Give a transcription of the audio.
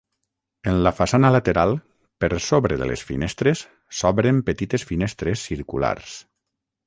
En la façana lateral, per sobre de les finestres, s'obren petites finestres circulars.